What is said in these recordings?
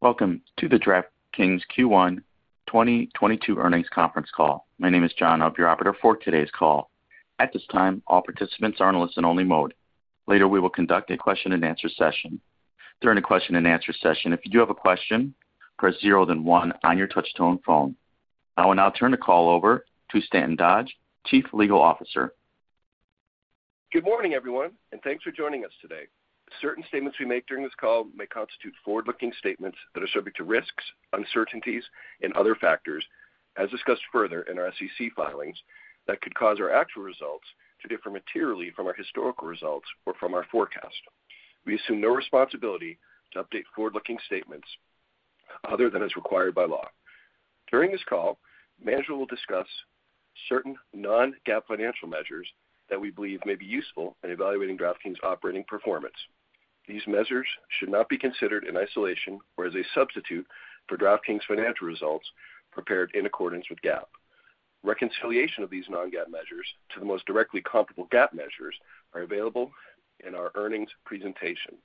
Welcome to the DraftKings Q1 2022 earnings conference call. My name is John. I'm the operator for today's call. At this time, all participants are in listen-only mode. Later, we will conduct a question-and-answer session. During the question-and-answer session, if you do have a question, press zero then one on your touch-tone phone. I will now turn the call over to Stanton Dodge, Chief Legal Officer. Good morning, everyone, and thanks for joining us today. Certain statements we make during this call may constitute forward-looking statements that are subject to risks, uncertainties and other factors, as discussed further in our SEC filings, that could cause our actual results to differ materially from our historical results or from our forecast. We assume no responsibility to update forward-looking statements other than as required by law. During this call, management will discuss certain non-GAAP financial measures that we believe may be useful in evaluating DraftKings' operating performance. These measures should not be considered in isolation or as a substitute for DraftKings' financial results prepared in accordance with GAAP. Reconciliation of these non-GAAP measures to the most directly comparable GAAP measures are available in our earnings presentation,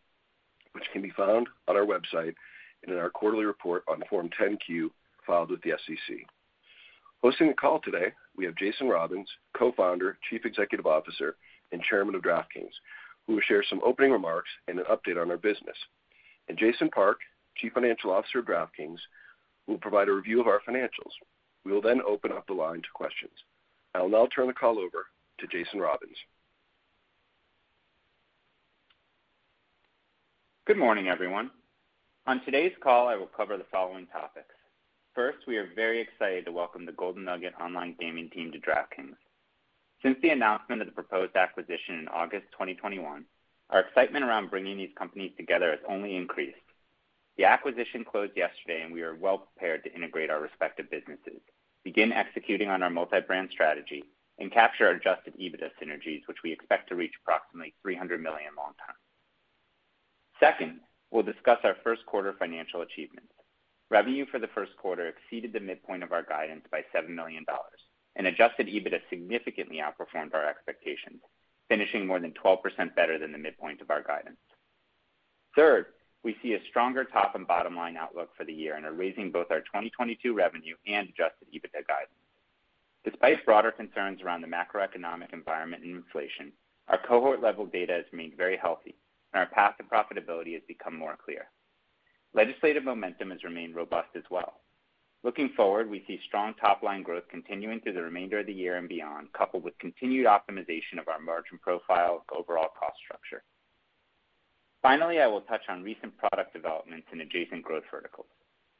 which can be found on our website and in our quarterly report on Form 10-Q filed with the SEC. Hosting the call today, we have Jason Robins, Co-founder, Chief Executive Officer, and Chairman of DraftKings, who will share some opening remarks and an update on our business. Jason Park, Chief Financial Officer of DraftKings, will provide a review of our financials. We will then open up the line to questions. I will now turn the call over to Jason Robins. Good morning, everyone. On today's call, I will cover the following topics. First, we are very excited to welcome the Golden Nugget Online Gaming team to DraftKings. Since the announcement of the proposed acquisition in August 2021, our excitement around bringing these companies together has only increased. The acquisition closed yesterday, and we are well prepared to integrate our respective businesses, begin executing on our multi-brand strategy, and capture our adjusted EBITDA synergies, which we expect to reach approximately $300 million long term. Second, we'll discuss our first quarter financial achievements. Revenue for the first quarter exceeded the midpoint of our guidance by $7 million, and adjusted EBITDA significantly outperformed our expectations, finishing more than 12% better than the midpoint of our guidance. Third, we see a stronger top and bottom-line outlook for the year and are raising both our 2022 revenue and adjusted EBITDA guidance. Despite broader concerns around the macroeconomic environment and inflation, our cohort-level data has remained very healthy, and our path to profitability has become more clear. Legislative momentum has remained robust as well. Looking forward, we see strong top-line growth continuing through the remainder of the year and beyond, coupled with continued optimization of our margin profile, overall cost structure. Finally, I will touch on recent product developments in adjacent growth verticals.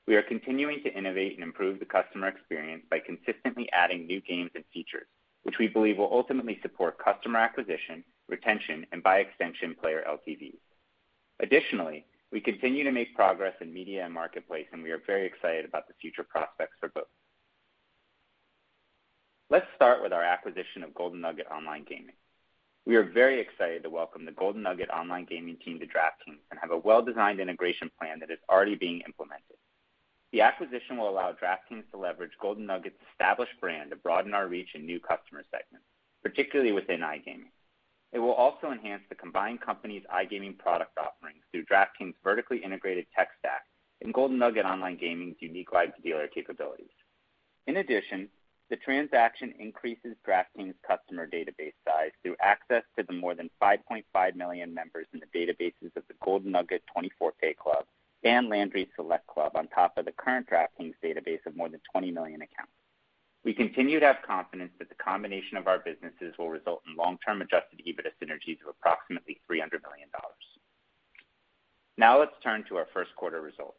We are continuing to innovate and improve the customer experience by consistently adding new games and features, which we believe will ultimately support customer acquisition, retention, and by extension, player LTVs. Additionally, we continue to make progress in media and marketplace, and we are very excited about the future prospects for both. Let's start with our acquisition of Golden Nugget Online Gaming. We are very excited to welcome the Golden Nugget Online Gaming team to DraftKings and have a well-designed integration plan that is already being implemented. The acquisition will allow DraftKings to leverage Golden Nugget's established brand to broaden our reach in new customer segments, particularly within iGaming. It will also enhance the combined company's iGaming product offerings through DraftKings' vertically integrated tech stack and Golden Nugget Online Gaming's unique live dealer capabilities. In addition, the transaction increases DraftKings' customer database size through access to the more than 5.5 million members in the databases of the Golden Nugget 24K Select Club and Landry's Select Club on top of the current DraftKings database of more than 20 million accounts. We continue to have confidence that the combination of our businesses will result in long-term adjusted EBITDA synergies of approximately $300 million. Now, let's turn to our first quarter results.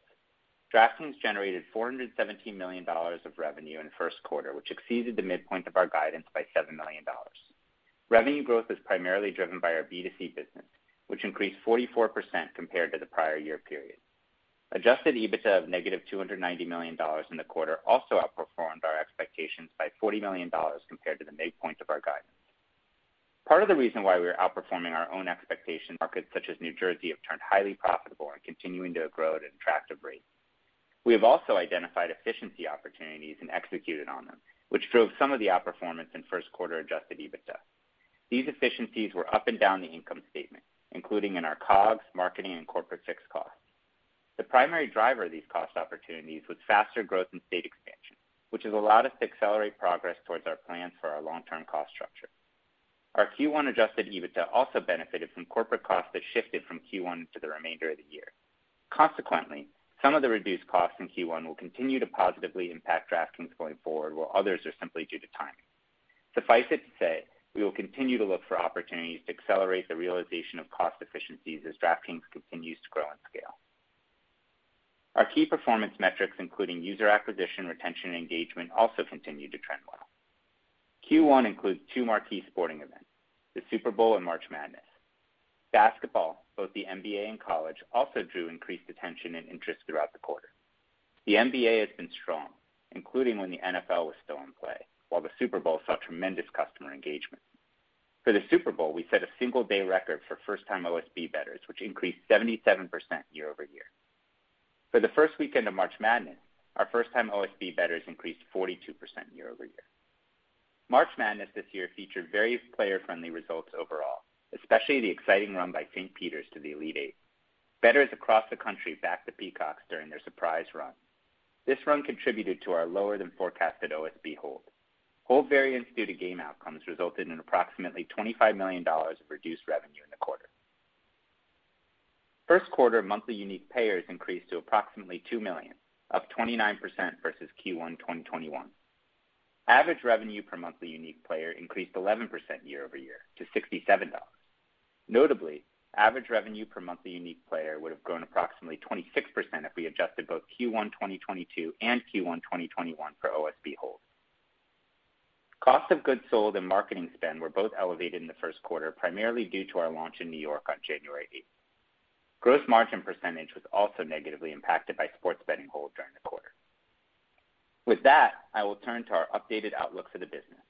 DraftKings generated $417 million of revenue in the first quarter, which exceeded the midpoint of our guidance by $7 million. Revenue growth was primarily driven by our B2C business, which increased 44% compared to the prior year period. Adjusted EBITDA of -$290 million in the quarter also outperformed our expectations by $40 million compared to the midpoint of our guidance. Part of the reason why we are outperforming our own expectations, markets such as New Jersey have turned highly profitable and continuing to grow at an attractive rate. We have also identified efficiency opportunities and executed on them, which drove some of the outperformance in first quarter adjusted EBITDA. These efficiencies were up and down the income statement, including in our COGS, marketing, and corporate fixed costs. The primary driver of these cost opportunities was faster growth in state expansion, which has allowed us to accelerate progress towards our plans for our long-term cost structure. Our Q1 adjusted EBITDA also benefited from corporate costs that shifted from Q1 to the remainder of the year. Consequently, some of the reduced costs in Q1 will continue to positively impact DraftKings going forward, while others are simply due to timing. Suffice it to say, we will continue to look for opportunities to accelerate the realization of cost efficiencies as DraftKings continues to grow and scale. Our key performance metrics, including user acquisition, retention, and engagement, also continue to trend well. Q1 includes two marquee sporting events, the Super Bowl and March Madness. Basketball, both the NBA and college, also drew increased attention and interest throughout the quarter. The NBA has been strong, including when the NFL was still in play, while the Super Bowl saw tremendous customer engagement. For the Super Bowl, we set a single-day record for first-time OSB bettors, which increased 77% year-over-year. For the first weekend of March Madness, our first-time OSB bettors increased 42% year-over-year. March Madness this year featured very player-friendly results overall, especially the exciting run by Saint Peter's to the Elite Eight. Bettors across the country backed the Peacocks during their surprise run. This run contributed to our lower than forecasted OSB hold. Hold variance due to game outcomes resulted in approximately $25 million of reduced revenue in the quarter. First quarter monthly unique payers increased to approximately 2 million, up 29% versus Q1 2021. Average revenue per monthly unique payer increased 11% year-over-year to $67. Notably, average revenue per monthly unique player would have grown approximately 26% if we adjusted both Q1 2022 and Q1 2021 for OSB hold. Cost of goods sold and marketing spend were both elevated in the first quarter, primarily due to our launch in New York on January 8. Gross margin percentage was also negatively impacted by sports betting hold during the quarter. With that, I will turn to our updated outlook for the business.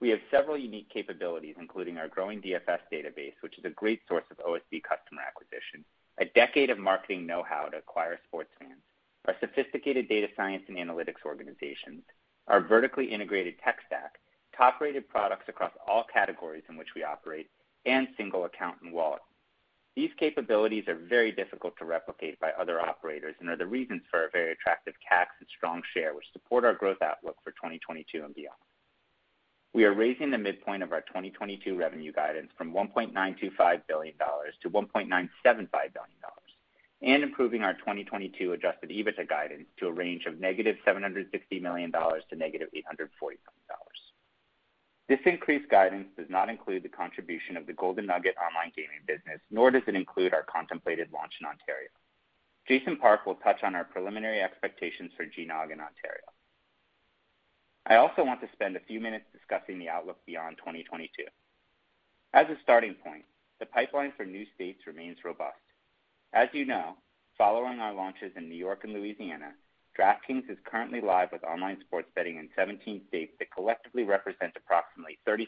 We have several unique capabilities, including our growing DFS database, which is a great source of OSB customer acquisition, a decade of marketing know-how to acquire sports fans, our sophisticated data science and analytics organizations, our vertically integrated tech stack, top-rated products across all categories in which we operate, and single account and wallet. These capabilities are very difficult to replicate by other operators and are the reasons for our very attractive CACs and strong share, which support our growth outlook for 2022 and beyond. We are raising the midpoint of our 2022 revenue guidance from $1.925 billion to $1.975 billion, and improving our 2022 adjusted EBITDA guidance to a range of -$760 million to -$840 million. This increased guidance does not include the contribution of the Golden Nugget Online Gaming business, nor does it include our contemplated launch in Ontario. Jason Park will touch on our preliminary expectations for GNOG in Ontario. I also want to spend a few minutes discussing the outlook beyond 2022. As a starting point, the pipeline for new states remains robust. As you know, following our launches in New York and Louisiana, DraftKings is currently live with online sports betting in 17 states that collectively represent approximately 36%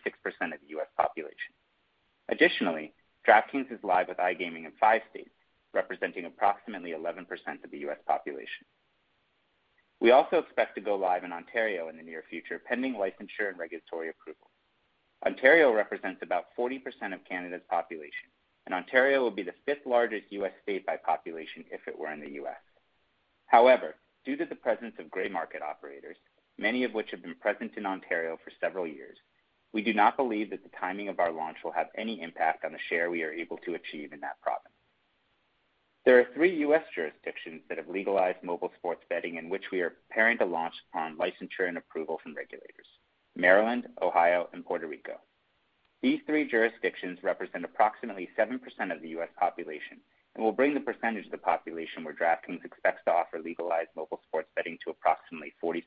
of the U.S. population. Additionally, DraftKings is live with iGaming in 5 states, representing approximately 11% of the U.S. population. We also expect to go live in Ontario in the near future, pending licensure and regulatory approval. Ontario represents about 40% of Canada's population, and Ontario will be the fifth-largest U.S. state by population if it were in the U.S. However, due to the presence of gray market operators, many of which have been present in Ontario for several years, we do not believe that the timing of our launch will have any impact on the share we are able to achieve in that province. There are three U.S. jurisdictions that have legalized mobile sports betting in which we are preparing to launch on licensure and approval from regulators, Maryland, Ohio, and Puerto Rico. These three jurisdictions represent approximately 7% of the U.S. population and will bring the percentage of the population where DraftKings expects to offer legalized mobile sports betting to approximately 43%.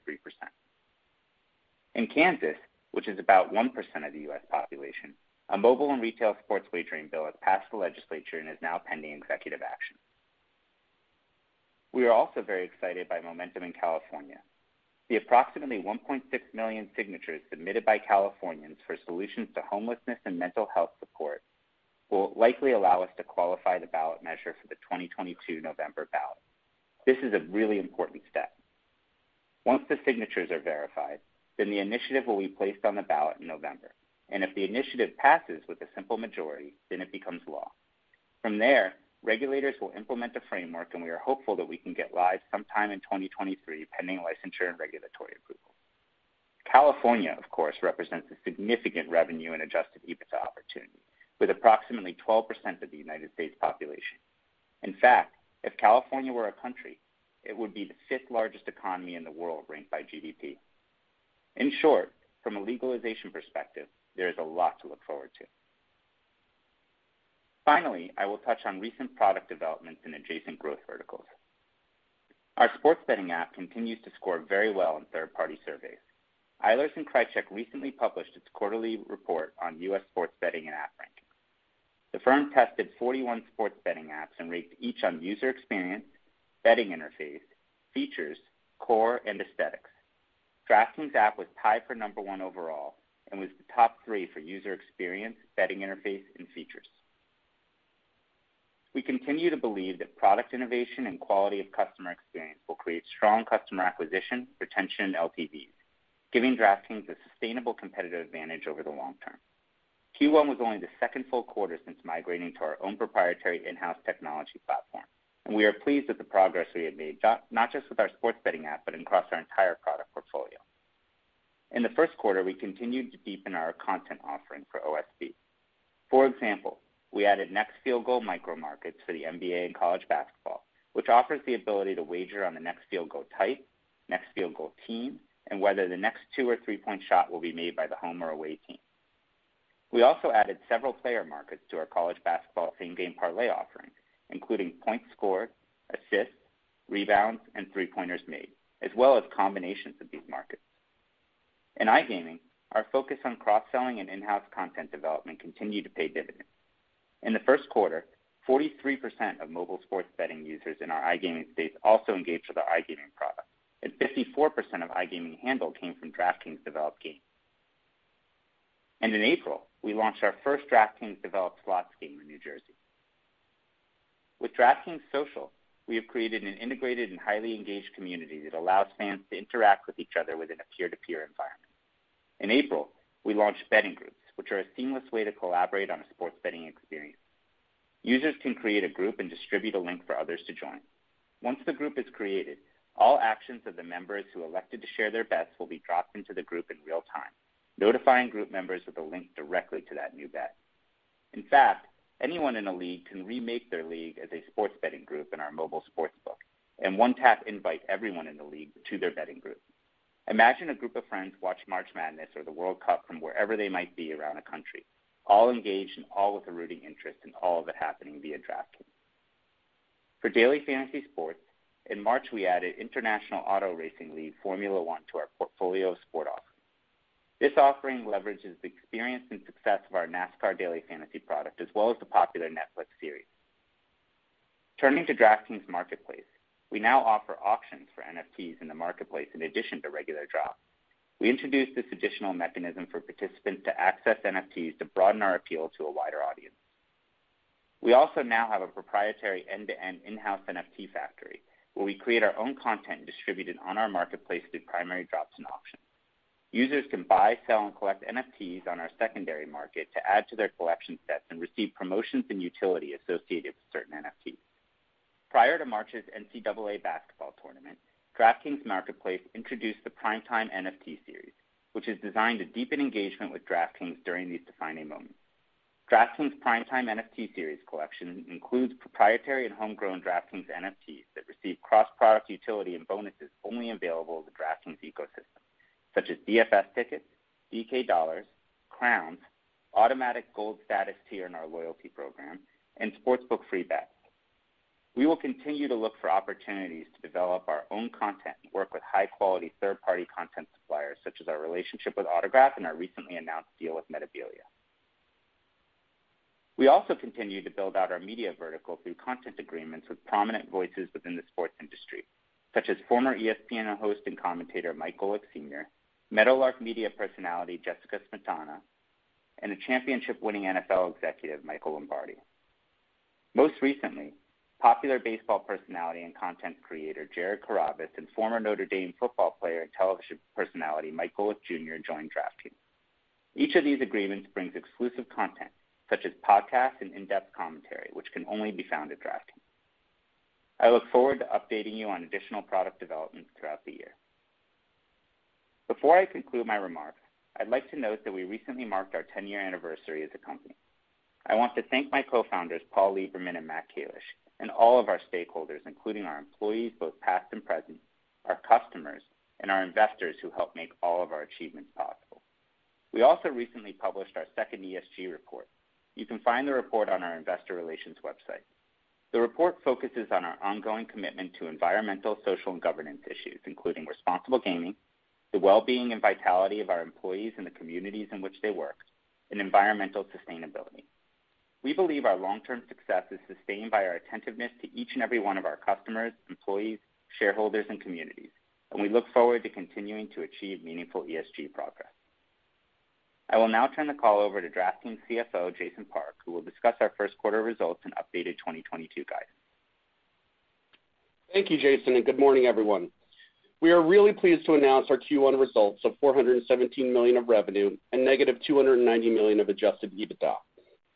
In Kansas, which is about 1% of the U.S. population, a mobile and retail sports wagering bill has passed the legislature and is now pending executive action. We are also very excited by momentum in California. The approximately 1.6 million signatures submitted by Californians for Solutions to Homelessness and Mental Health Support will likely allow us to qualify the ballot measure for the 2022 November ballot. This is a really important step. Once the signatures are verified, then the initiative will be placed on the ballot in November, and if the initiative passes with a simple majority, then it becomes law. From there, regulators will implement the framework, and we are hopeful that we can get live sometime in 2023, pending licensure and regulatory approval. California, of course, represents a significant revenue and adjusted EBITDA opportunity, with approximately 12% of the United States population. In fact, if California were a country, it would be the fifth-largest economy in the world ranked by GDP. In short, from a legalization perspective, there is a lot to look forward to. Finally, I will touch on recent product developments in adjacent growth verticals. Our sports betting app continues to score very well in third-party surveys. Eilers & Krejcik recently published its quarterly report on U.S. sports betting and app rankings. The firm tested 41 sports betting apps and rates each on user experience, betting interface, features, score, and aesthetics. DraftKings app was tied for number one overall and was the top three for user experience, betting interface, and features. We continue to believe that product innovation and quality of customer experience will create strong customer acquisition, retention, and LTVs, giving DraftKings a sustainable competitive advantage over the long term. Q1 was only the second full quarter since migrating to our own proprietary in-house technology platform, and we are pleased with the progress we have made, not just with our sports betting app, but across our entire product portfolio. In the first quarter, we continued to deepen our content offering for OSB. For example, we added next field goal micro markets for the NBA and college basketball, which offers the ability to wager on the next field goal type, next field goal team, and whether the next two- or three-point shot will be made by the home or away team. We also added several player markets to our college basketball Same Game Parlay offering, including points scored, assists, rebounds, and three-pointers made, as well as combinations of these markets. In iGaming, our focus on cross-selling and in-house content development continue to pay dividends. In the first quarter, 43% of mobile sports betting users in our iGaming states also engaged with our iGaming product, and 54% of iGaming handle came from DraftKings-developed games. In April, we launched our first DraftKings-developed slots game in New Jersey. With DraftKings Social, we have created an integrated and highly engaged community that allows fans to interact with each other within a peer-to-peer environment. In April, we launched betting groups, which are a seamless way to collaborate on a sports betting experience. Users can create a group and distribute a link for others to join. Once the group is created, all actions of the members who elected to share their bets will be dropped into the group in real time, notifying group members with a link directly to that new bet. In fact, anyone in a league can remake their league as a sports betting group in our mobile sportsbook and one-tap invite everyone in the league to their betting group. Imagine a group of friends watch March Madness or the World Cup from wherever they might be around the country, all engaged and all with a rooting interest in all of it happening via DraftKings. For daily fantasy sports, in March, we added international auto racing league, Formula One, to our portfolio of sport offerings. This offering leverages the experience and success of our NASCAR daily fantasy product, as well as the popular Netflix series. Turning to DraftKings Marketplace, we now offer auctions for NFTs in the Marketplace in addition to regular drops. We introduced this additional mechanism for participants to access NFTs to broaden our appeal to a wider audience. We also now have a proprietary end-to-end in-house NFT factory, where we create our own content distributed on our Marketplace through primary drops and auctions. Users can buy, sell, and collect NFTs on our secondary market to add to their collection sets and receive promotions and utility associated with certain NFTs. Prior to March's NCAA basketball tournament, DraftKings Marketplace introduced the Primetime NFT Series, which is designed to deepen engagement with DraftKings during these defining moments. DraftKings Primetime NFT Series collection includes proprietary and homegrown DraftKings NFTs that receive cross-product utility and bonuses only available in the DraftKings ecosystem, such as DFS tickets, DK Dollars, crowns, automatic gold status tier in our loyalty program, and sports book free bets. We will continue to look for opportunities to develop our own content and work with high-quality third-party content suppliers, such as our relationship with Autograph and our recently announced deal with Metabilia. We also continue to build out our media vertical through content agreements with prominent voices within the sports industry, such as former ESPN host and commentator, Michael Irvin, Meadowlark Media personality, Jessica Smetana, and a championship-winning NFL executive, Michael Lombardi. Most recently, popular baseball personality and content creator, Jared Carrabis, and former Notre Dame football player and television personality, Mike Golic Jr., joined DraftKings. Each of these agreements brings exclusive content, such as podcasts and in-depth commentary, which can only be found at DraftKings. I look forward to updating you on additional product developments throughout the year. Before I conclude my remarks, I'd like to note that we recently marked our 10-year anniversary as a company. I want to thank my co-founders, Paul Liberman and Matt Kalish, and all of our stakeholders, including our employees, both past and present, our customers, and our investors who helped make all of our achievements possible. We also recently published our second ESG report. You can find the report on our investor relations website. The report focuses on our ongoing commitment to environmental, social, and governance issues, including responsible gaming, the well-being and vitality of our employees in the communities in which they work, and environmental sustainability. We believe our long-term success is sustained by our attentiveness to each and every one of our customers, employees, shareholders, and communities, and we look forward to continuing to achieve meaningful ESG progress. I will now turn the call over to DraftKings CFO, Jason Park, who will discuss our first quarter results and updated 2022 guidance. Thank you, Jason, and good morning, everyone. We are really pleased to announce our Q1 results of $417 million of revenue and -$290 million of adjusted EBITDA.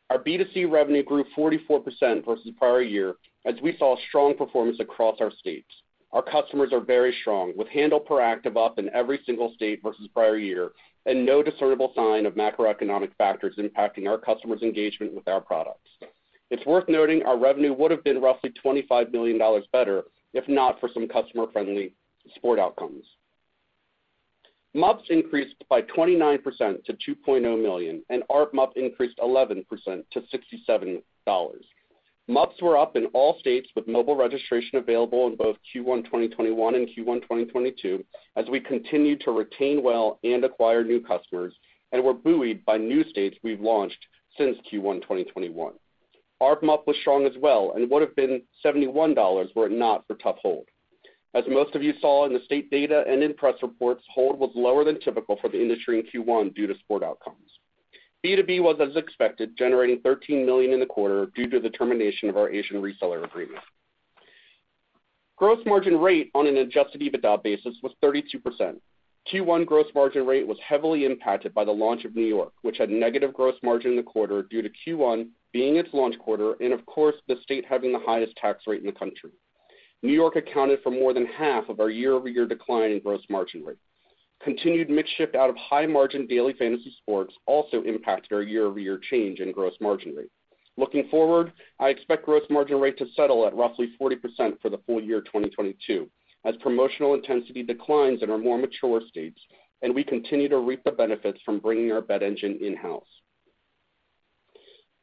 Our B2C revenue grew 44% versus prior year as we saw strong performance across our states. Our customers are very strong, with handle per active up in every single state versus prior year and no discernible sign of macroeconomic factors impacting our customers' engagement with our products. It's worth noting our revenue would have been roughly $25 billion better if not for some customer-friendly sport outcomes. MUPs increased by 29% to 2.0 million, and ARP MUP increased 11% to $67. MUPs were up in all states with mobile registration available in both Q1 2021 and Q1 2022, as we continued to retain well and acquire new customers and were buoyed by new states we've launched since Q1 2021. ARPMUP was strong as well and would have been $71 were it not for tough hold. As most of you saw in the state data and in press reports, hold was lower than typical for the industry in Q1 due to sports outcomes. B2B was as expected, generating $13 million in the quarter due to the termination of our Asian reseller agreement. Gross margin rate on an adjusted EBITDA basis was 32%. Q1 gross margin rate was heavily impacted by the launch of New York, which had negative gross margin in the quarter due to Q1 being its launch quarter and of course, the state having the highest tax rate in the country. New York accounted for more than half of our year-over-year decline in gross margin rate. Continued mix shift out of high-margin daily fantasy sports also impacted our year-over-year change in gross margin rate. Looking forward, I expect gross margin rate to settle at roughly 40% for the full year 2022 as promotional intensity declines in our more mature states and we continue to reap the benefits from bringing our bet engine in-house.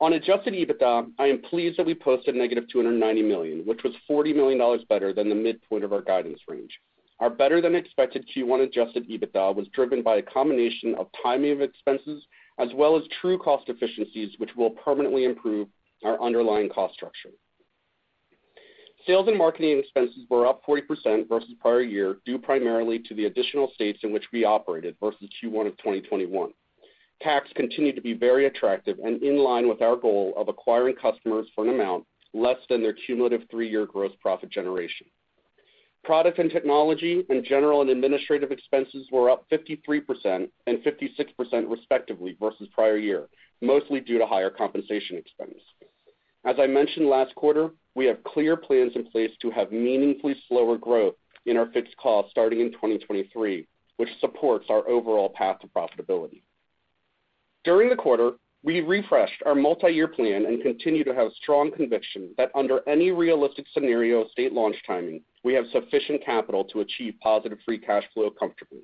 On adjusted EBITDA, I am pleased that we posted negative $290 million, which was $40 million better than the midpoint of our guidance range. Our better-than-expected Q1 adjusted EBITDA was driven by a combination of timing of expenses as well as true cost efficiencies, which will permanently improve our underlying cost structure. Sales and marketing expenses were up 40% versus prior year, due primarily to the additional states in which we operated versus Q1 of 2021. CAC continued to be very attractive and in line with our goal of acquiring customers for an amount less than their cumulative 3-year gross profit generation. Product and technology and general and administrative expenses were up 53% and 56% respectively versus prior year, mostly due to higher compensation expense. As I mentioned last quarter, we have clear plans in place to have meaningfully slower growth in our fixed costs starting in 2023, which supports our overall path to profitability. During the quarter, we refreshed our multi-year plan and continue to have strong conviction that under any realistic scenario of state launch timing, we have sufficient capital to achieve positive free cash flow comfortably.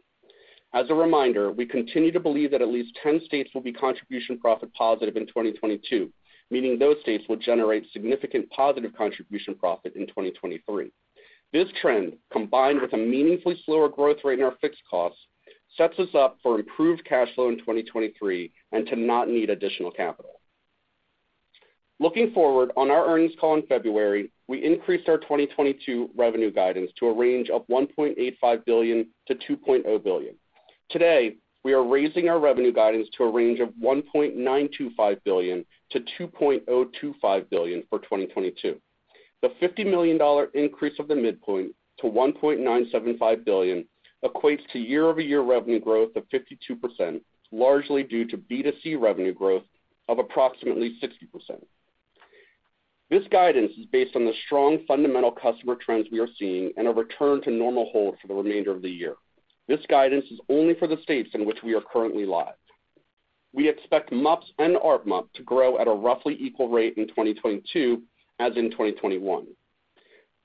As a reminder, we continue to believe that at least 10 states will be contribution profit positive in 2022, meaning those states will generate significant positive contribution profit in 2023. This trend, combined with a meaningfully slower growth rate in our fixed costs, sets us up for improved cash flow in 2023 and to not need additional capital. Looking forward, on our earnings call in February, we increased our 2022 revenue guidance to a range of $1.85 billion-$2.0 billion. Today, we are raising our revenue guidance to a range of $1.925 billion-$2.025 billion for 2022. The $50 million increase of the midpoint to $1.975 billion equates to year-over-year revenue growth of 52%, largely due to B2C revenue growth of approximately 60%. This guidance is based on the strong fundamental customer trends we are seeing and a return to normal hold for the remainder of the year. This guidance is only for the states in which we are currently live. We expect MUPs and ARPMUP to grow at a roughly equal rate in 2022, as in 2021.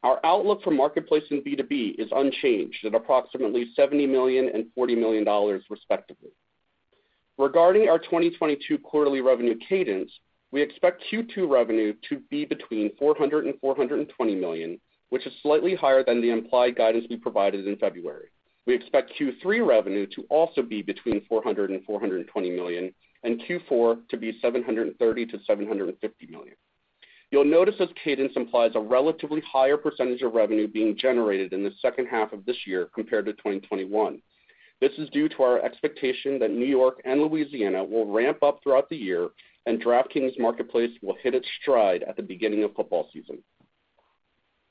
Our outlook for marketplace and B2B is unchanged at approximately $70 million and $40 million, respectively. Regarding our 2022 quarterly revenue cadence, we expect Q2 revenue to be between $400 million and $420 million, which is slightly higher than the implied guidance we provided in February. We expect Q3 revenue to also be between $400 million and $420 million, and Q4 to be $730 million to $750 million. You'll notice this cadence implies a relatively higher percentage of revenue being generated in the second half of this year compared to 2021. This is due to our expectation that New York and Louisiana will ramp up throughout the year and DraftKings Marketplace will hit its stride at the beginning of football season.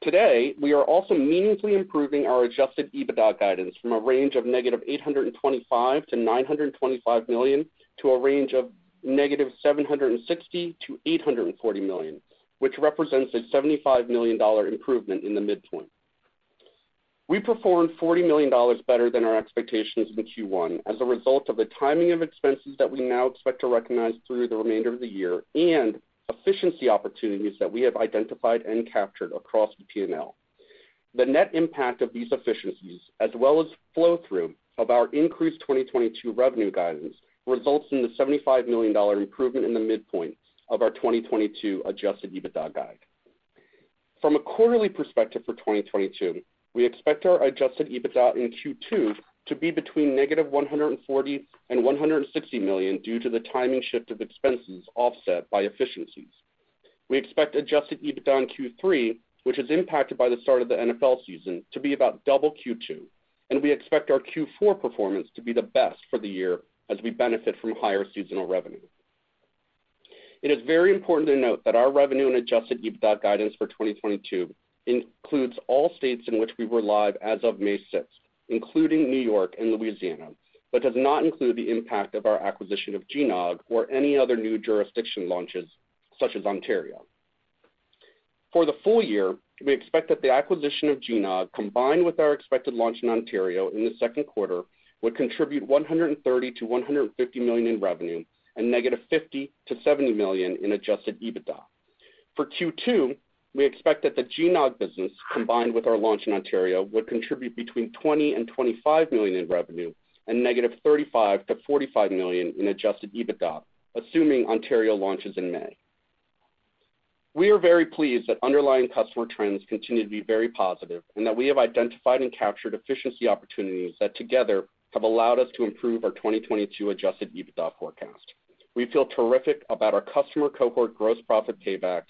Today, we are also meaningfully improving our adjusted EBITDA guidance from a range of -$825 million-$925 million to a range of -$760 million-$840 million, which represents a $75 million improvement in the midpoint. We performed $40 million better than our expectations in Q1 as a result of the timing of expenses that we now expect to recognize through the remainder of the year and efficiency opportunities that we have identified and captured across the P&L. The net impact of these efficiencies as well as flow through of our increased 2022 revenue guidance results in the $75 million improvement in the midpoint of our 2022 adjusted EBITDA guide. From a quarterly perspective for 2022, we expect our adjusted EBITDA in Q2 to be between -$140 million and -$160 million due to the timing shift of expenses offset by efficiencies. We expect adjusted EBITDA in Q3, which is impacted by the start of the NFL season, to be about double Q2, and we expect our Q4 performance to be the best for the year as we benefit from higher seasonal revenue. It is very important to note that our revenue and adjusted EBITDA guidance for 2022 includes all states in which we were live as of May 6, including New York and Louisiana, but does not include the impact of our acquisition of GNOG or any other new jurisdiction launches such as Ontario. For the full year, we expect that the acquisition of GNOG, combined with our expected launch in Ontario in the second quarter, would contribute $130 million-$150 million in revenue and -$50 million to -$70 million in adjusted EBITDA. For Q2, we expect that the GNOG business, combined with our launch in Ontario, would contribute between $20 million and $25 million in revenue and -$35 million to -$45 million in adjusted EBITDA, assuming Ontario launches in May. We are very pleased that underlying customer trends continue to be very positive and that we have identified and captured efficiency opportunities that together have allowed us to improve our 2022 adjusted EBITDA forecast. We feel terrific about our customer cohort gross profit paybacks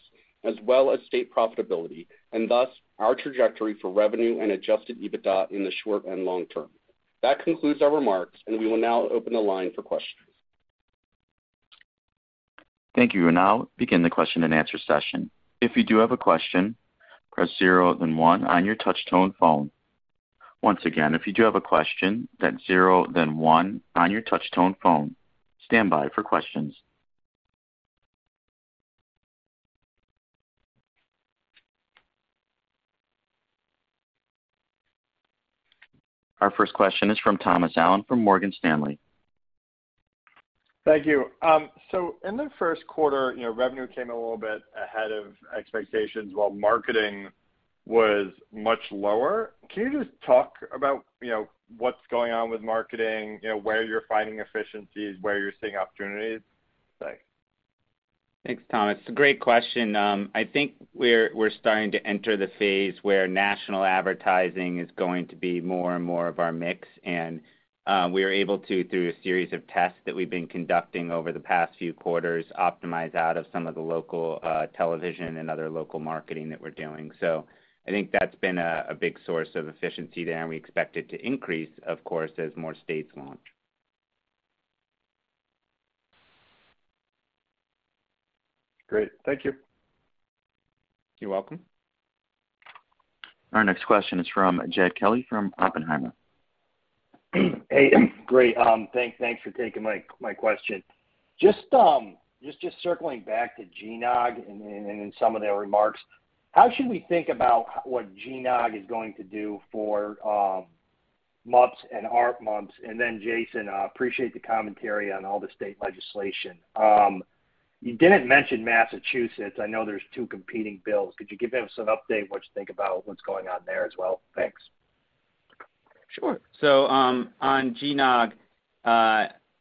as well as state profitability and thus our trajectory for revenue and adjusted EBITDA in the short and long term. That concludes our remarks, and we will now open the line for questions. Thank you. We'll now begin the question and answer session. If you do have a question, press zero then one on your touch tone phone. Once again, if you do have a question, then zero then one on your touch tone phone. Stand by for questions. Our first question is from Thomas Allen from Morgan Stanley. Thank you. In the first quarter, you know, revenue came a little bit ahead of expectations while marketing was much lower. Can you just talk about, you know, what's going on with marketing? You know, where you're finding efficiencies, where you're seeing opportunities? Thanks. Thanks, Thomas. It's a great question. I think we're starting to enter the phase where national advertising is going to be more and more of our mix. We are able to, through a series of tests that we've been conducting over the past few quarters, optimize out of some of the local television and other local marketing that we're doing. I think that's been a big source of efficiency there, and we expect it to increase, of course, as more states launch. Great. Thank you. You're welcome. Our next question is from Jed Kelly from Oppenheimer. Hey, great. Thanks for taking my question. Just circling back to GNOG and some of their remarks, how should we think about what GNOG is going to do for MUPs and ARPMUPs? Jason, I appreciate the commentary on all the state legislation. You didn't mention Massachusetts. I know there's two competing bills. Could you give us an update what you think about what's going on there as well? Thanks. Sure. On GNOG,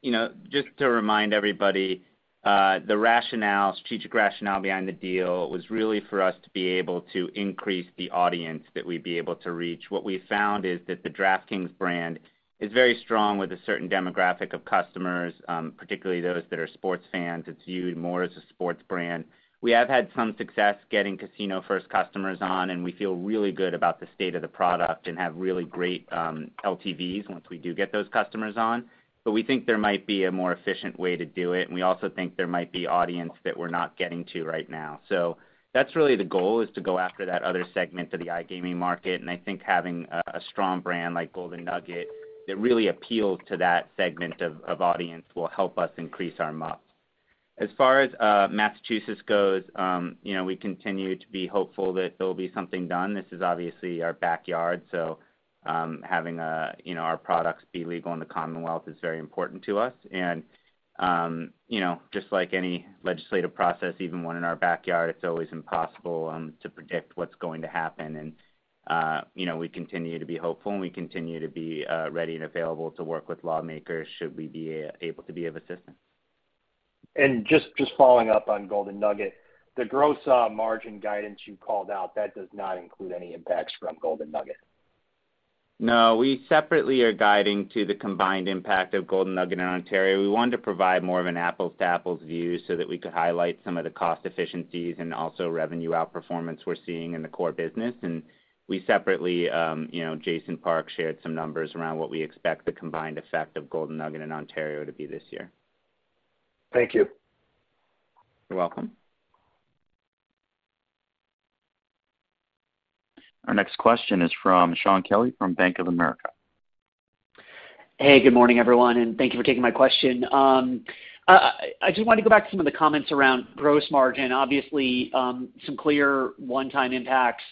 you know, just to remind everybody, the rationale, strategic rationale behind the deal was really for us to be able to increase the audience that we'd be able to reach. What we found is that the DraftKings brand is very strong with a certain demographic of customers, particularly those that are sports fans. It's viewed more as a sports brand. We have had some success getting casino-first customers on, and we feel really good about the state of the product and have really great LTVs once we do get those customers on. We think there might be a more efficient way to do it, and we also think there might be audience that we're not getting to right now. That's really the goal, is to go after that other segment of the iGaming market. I think having a strong brand like Golden Nugget that really appeals to that segment of audience will help us increase our MUP. As far as Massachusetts goes, you know, we continue to be hopeful that there'll be something done. This is obviously our backyard, so having you know, our products be legal in the Commonwealth is very important to us. You know, just like any legislative process, even one in our backyard, it's always impossible to predict what's going to happen. You know, we continue to be hopeful, and we continue to be ready and available to work with lawmakers should we be able to be of assistance. Just following up on Golden Nugget, the gross margin guidance you called out, that does not include any impacts from Golden Nugget. No, we separately are guiding to the combined impact of Golden Nugget and Ontario. We wanted to provide more of an apples-to-apples view so that we could highlight some of the cost efficiencies and also revenue outperformance we're seeing in the core business. We separately, you know, Jason Park shared some numbers around what we expect the combined effect of Golden Nugget and Ontario to be this year. Thank you. You're welcome. Our next question is from Shaun Kelley from Bank of America. Hey, good morning, everyone, and thank you for taking my question. I just wanted to go back to some of the comments around gross margin. Obviously, some clear one-time impacts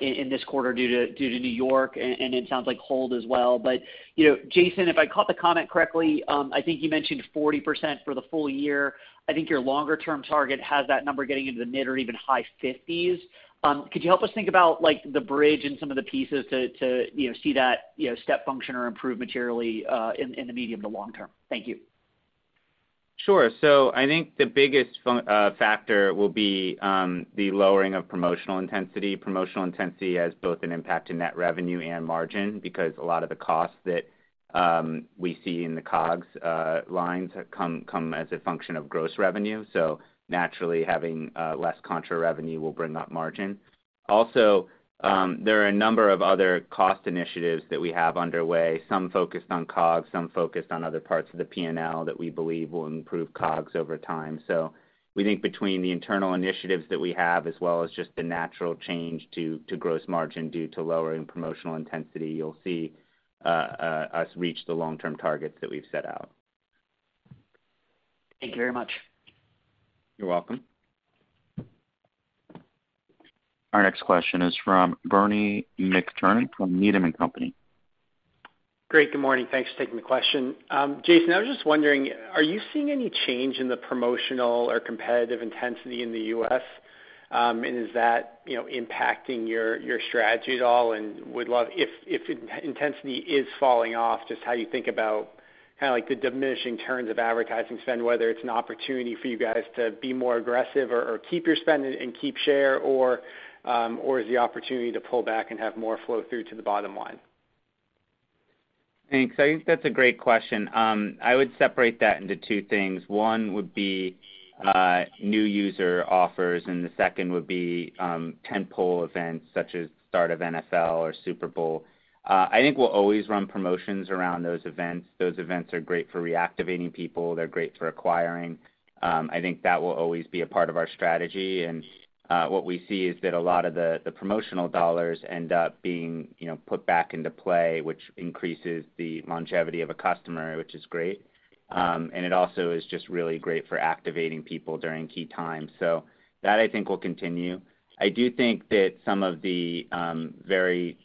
in this quarter due to New York and it sounds like Hold as well. You know, Jason, if I caught the comment correctly, I think you mentioned 40% for the full year. I think your longer term target has that number getting into the mid- or even high 50s%. Could you help us think about like the bridge and some of the pieces to you know, see that you know, step function or improve materially in the medium to long term? Thank you. Sure. I think the biggest factor will be the lowering of promotional intensity. Promotional intensity has both an impact to net revenue and margin because a lot of the costs that we see in the COGS lines come as a function of gross revenue. Naturally, having less contra revenue will bring up margin. Also, there are a number of other cost initiatives that we have underway, some focused on COGS, some focused on other parts of the P&L that we believe will improve COGS over time. We think between the internal initiatives that we have, as well as just the natural change to gross margin due to lowering promotional intensity, you'll see us reach the long-term targets that we've set out. Thank you very much. You're welcome. Our next question is from Bernie McTernan from Needham & Company. Great, good morning. Thanks for taking the question. Jason, I was just wondering, are you seeing any change in the promotional or competitive intensity in the U.S.? and is that, you know, impacting your strategy at all? would love if intensity is falling off, just how you think about kinda like the diminishing terms of advertising spend, whether it's an opportunity for you guys to be more aggressive or keep your spend and keep share or is the opportunity to pull back and have more flow through to the bottom line? Thanks. I think that's a great question. I would separate that into two things. One would be new user offers, and the second would be tentpole events such as start of NFL or Super Bowl. I think we'll always run promotions around those events. Those events are great for reactivating people. They're great for acquiring. I think that will always be a part of our strategy. What we see is that a lot of the promotional dollars end up being, you know, put back into play, which increases the longevity of a customer, which is great. It also is just really great for activating people during key times. That I think will continue. I do think that some of the very,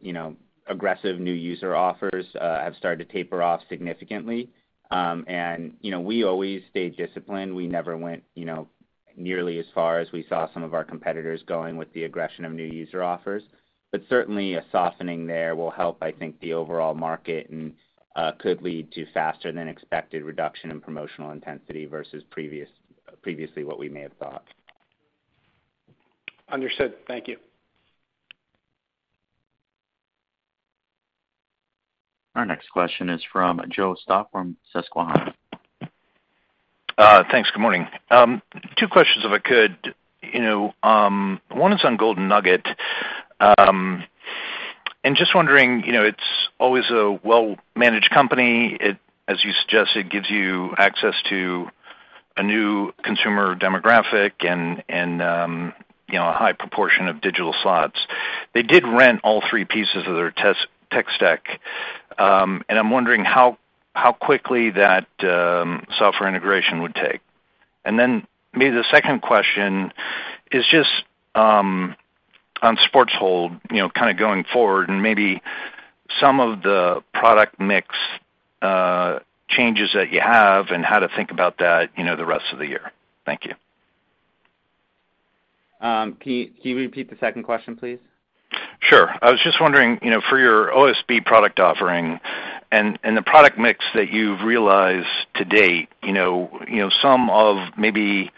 you know, aggressive new user offers have started to taper off significantly. You know, we always stay disciplined. We never went, you know, nearly as far as we saw some of our competitors going with the aggression of new user offers. Certainly a softening there will help, I think, the overall market and could lead to faster than expected reduction in promotional intensity versus previously what we may have thought. Understood. Thank you. Our next question is from Joe Stauff from Susquehanna. Thanks. Good morning. Two questions if I could. You know, one is on Golden Nugget. Just wondering, you know, it's always a well-managed company. It, as you suggested, gives you access to a new consumer demographic and, you know, a high proportion of digital slots. They did run all three pieces of their tech stack, and I'm wondering how quickly that software integration would take. Then maybe the second question is just, on sports hold, you know, kind of going forward and maybe some of the product mix changes that you have and how to think about that, you know, the rest of the year. Thank you. Can you repeat the second question, please? Sure. I was just wondering, you know, for your OSB product offering and the product mix that you've realized to date, you know, some of maybe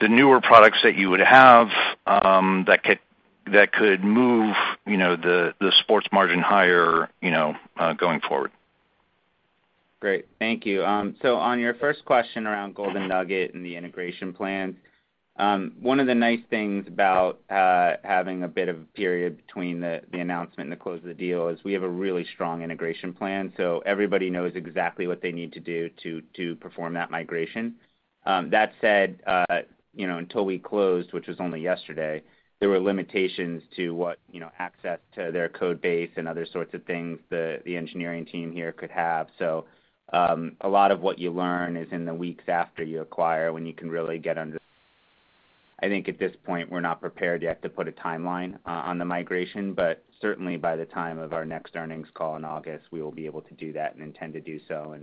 the newer products that you would have that could move, you know, the sports margin higher, you know, going forward. Great. Thank you. On your first question around Golden Nugget and the integration plan, one of the nice things about having a bit of a period between the announcement and the close of the deal is we have a really strong integration plan, so everybody knows exactly what they need to do to perform that migration. That said, you know, until we closed, which was only yesterday, there were limitations to what, you know, access to their code base and other sorts of things the engineering team here could have. A lot of what you learn is in the weeks after you acquire, when you can really get under. I think at this point, we're not prepared yet to put a timeline on the migration, but certainly by the time of our next earnings call in August, we will be able to do that and intend to do so.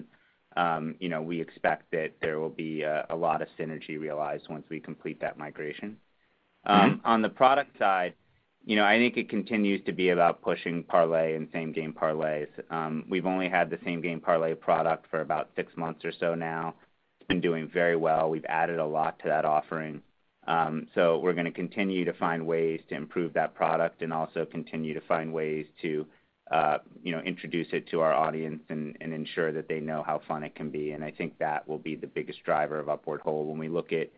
You know, we expect that there will be a lot of synergy realized once we complete that migration. On the product side, you know, I think it continues to be about pushing parlay and Same Game Parlays. We've only had the Same Game Parlay product for about six months or so now. It's been doing very well. We've added a lot to that offering. We're going to continue to find ways to improve that product and also continue to find ways to, you know, introduce it to our audience and ensure that they know how fun it can be. I think that will be the biggest driver of our portfolio when we look at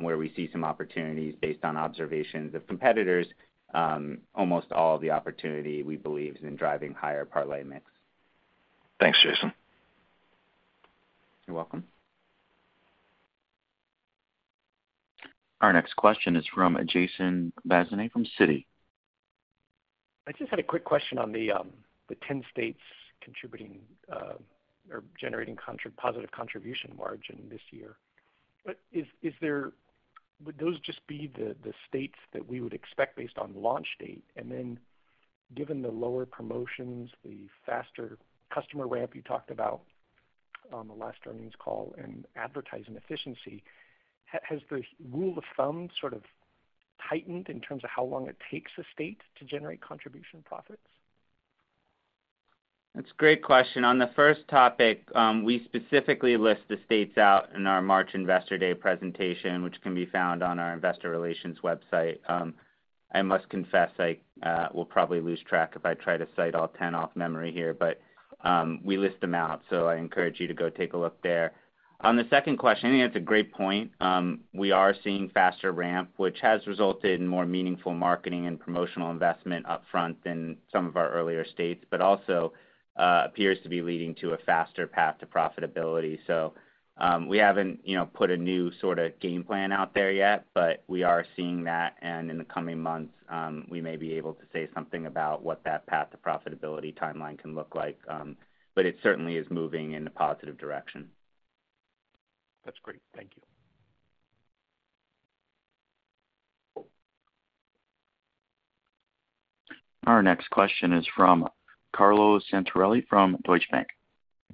where we see some opportunities based on observations of competitors, almost all of the opportunity we believe is in driving higher parlay mix. Thanks, Jason. You're welcome. Our next question is from Jason Bazinet from Citi. I just had a quick question on the 10 states contributing or generating positive contribution margin this year. Would those just be the states that we would expect based on launch date? Given the lower promotions, the faster customer ramp you talked about on the last earnings call and advertising efficiency, has the rule of thumb sort of tightened in terms of how long it takes a state to generate contribution profits? That's a great question. On the first topic, we specifically list the states out in our March Investor Day presentation, which can be found on our investor relations website. I must confess, I will probably lose track if I try to cite all 10 off memory here, but we list them out, so I encourage you to go take a look there. On the second question, I think that's a great point. We are seeing faster ramp, which has resulted in more meaningful marketing and promotional investment up front than some of our earlier states, but also appears to be leading to a faster path to profitability. We haven't, you know, put a new sort of game plan out there yet, but we are seeing that. In the coming months, we may be able to say something about what that path to profitability timeline can look like. It certainly is moving in a positive direction. That's great. Thank you. Our next question is from Carlo Santarelli from Deutsche Bank.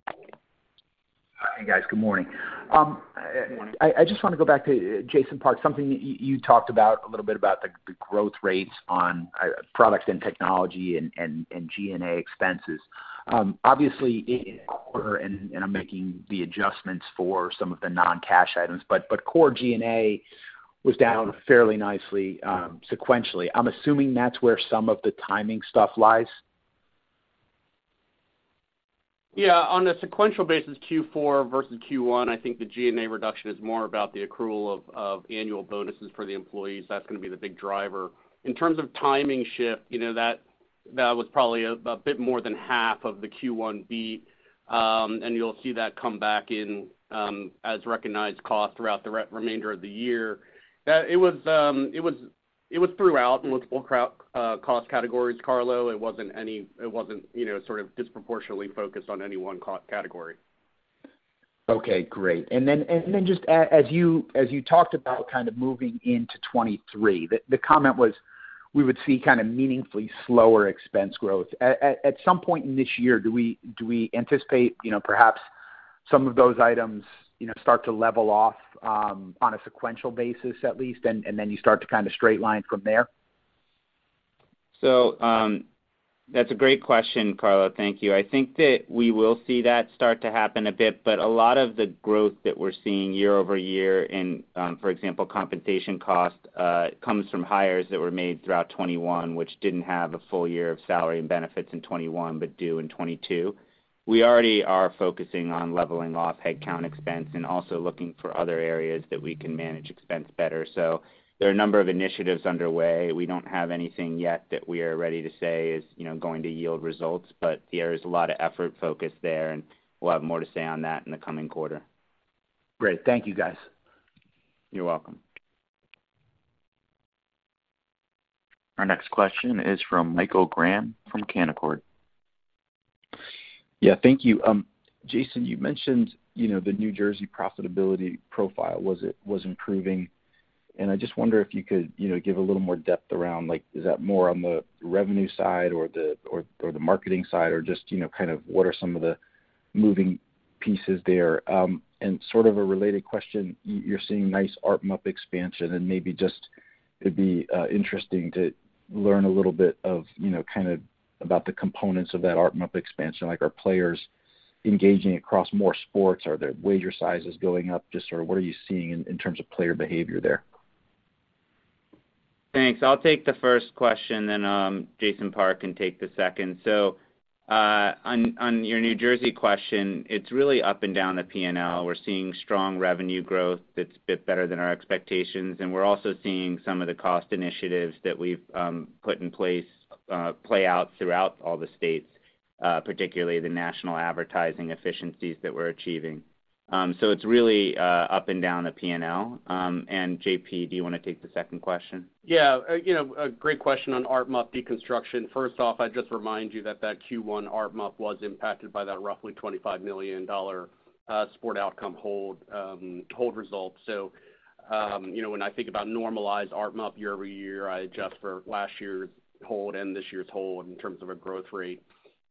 Hi, guys. Good morning. Good morning. I just wanna go back to Jason Park, something you talked about, a little bit about the growth rates on products and technology and G&A expenses. Obviously in the quarter, I'm making the adjustments for some of the non-cash items, but core G&A was down fairly nicely, sequentially. I'm assuming that's where some of the timing stuff lies. Yeah. On a sequential basis, Q4 versus Q1, I think the G&A reduction is more about the accrual of annual bonuses for the employees. That's gonna be the big driver. In terms of timing shift, you know, that was probably a bit more than half of the Q1 beat. You'll see that come back in as recognized cost throughout the remainder of the year. It was throughout multiple cost categories, Carlo. It wasn't, you know, sort of disproportionately focused on any one category. Okay. Great. Just as you talked about kind of moving into 2023, the comment was we would see kind of meaningfully slower expense growth. At some point in this year, do we anticipate, you know, perhaps some of those items, you know, start to level off, on a sequential basis at least, and then you start to kind of straight line from there? That's a great question, Carlo. Thank you. I think that we will see that start to happen a bit, but a lot of the growth that we're seeing year-over-year in, for example, compensation cost, comes from hires that were made throughout 2021, which didn't have a full year of salary and benefits in 2021, but do in 2022. We already are focusing on leveling off headcount expense and also looking for other areas that we can manage expense better. There are a number of initiatives underway. We don't have anything yet that we are ready to say is, you know, going to yield results, but there is a lot of effort focused there, and we'll have more to say on that in the coming quarter. Great. Thank you, guys. You're welcome. Our next question is from Michael Graham from Canaccord. Yeah, thank you. Jason, you mentioned, you know, the New Jersey profitability profile was improving, and I just wonder if you could, you know, give a little more depth around, like, is that more on the revenue side or the marketing side or just, you know, kind of what are some of the moving pieces there? Sort of a related question, you're seeing nice ARPMUPexpansion and maybe just it'd be interesting to learn a little bit of, you know, kind of about the components of that ARPMUP expansion. Like are players engaging across more sports? Are their wager sizes going up? Just sort of what are you seeing in terms of player behavior there? Thanks. I'll take the first question then, Jason Park can take the second. On your New Jersey question, it's really up and down the P&L. We're seeing strong revenue growth that's a bit better than our expectations, and we're also seeing some of the cost initiatives that we've put in place play out throughout all the states, particularly the national advertising efficiencies that we're achieving. It's really up and down the P&L. JP, do you wanna take the second question? Yeah. You know, a great question on ARPMUP deconstruction. First off, I'd just remind you that that Q1 ARPMUP was impacted by that roughly $25 million sport outcome hold result. You know, when I think about normalized ARPMUP year-over-year, I adjust for last year's hold and this year's hold in terms of a growth rate.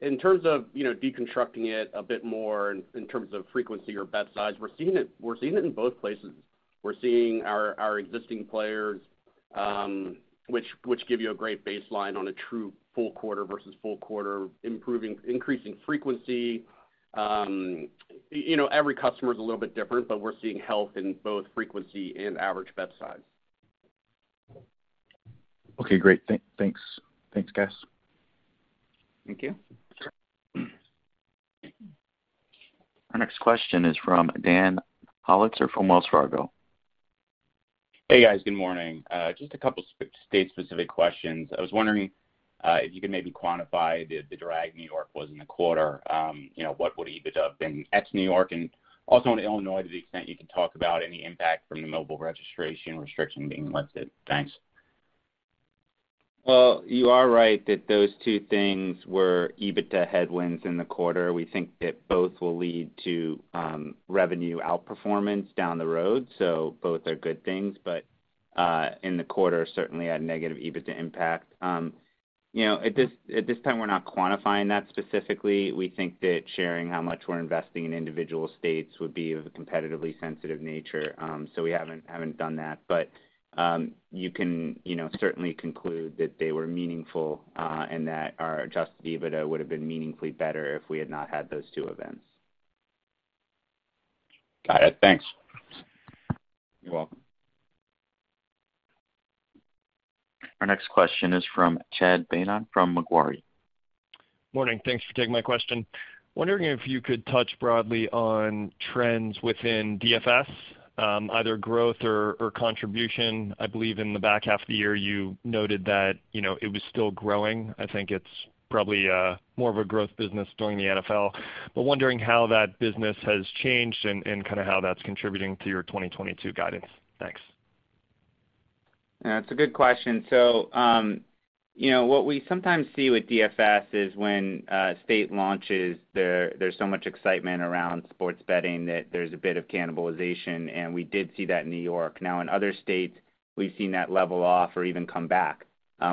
In terms of, you know, deconstructing it a bit more in terms of frequency or bet size, we're seeing it in both places. We're seeing our existing players, which give you a great baseline on a true full quarter versus full quarter increasing frequency. You know, every customer is a little bit different, but we're seeing health in both frequency and average bet size. Okay, great. Thanks. Thanks, guys. Thank you. Our next question is from Daniel Politzer from Wells Fargo. Hey, guys. Good morning. Just a couple state-specific questions. I was wondering if you could maybe quantify the drag New York was in the quarter. You know, what would EBITDA have been ex New York? Also in Illinois, to the extent you can talk about any impact from the mobile registration restriction being lifted. Thanks. Well, you are right that those two things were EBITDA headwinds in the quarter. We think that both will lead to revenue outperformance down the road, so both are good things. In the quarter, certainly had negative EBITDA impact. You know, at this time, we're not quantifying that specifically. We think that sharing how much we're investing in individual states would be of a competitively sensitive nature, so we haven't done that. You can, you know, certainly conclude that they were meaningful, and that our adjusted EBITDA would have been meaningfully better if we had not had those two events. Got it. Thanks. You're welcome. Our next question is from Chad Beynon from Macquarie. Morning. Thanks for taking my question. Wondering if you could touch broadly on trends within DFS, either growth or contribution. I believe in the back half of the year, you noted that, you know, it was still growing. I think it's probably more of a growth business during the NFL. Wondering how that business has changed and kinda how that's contributing to your 2022 guidance. Thanks. That's a good question. You know, what we sometimes see with DFS is when state launches, there's so much excitement around sports betting that there's a bit of cannibalization, and we did see that in New York. Now, in other states, we've seen that level off or even come back,